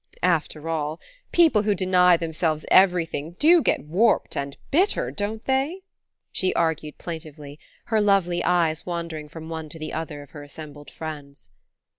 "After all, people who deny themselves everything do get warped and bitter, don't they?" she argued plaintively, her lovely eyes wandering from one to the other of her assembled friends.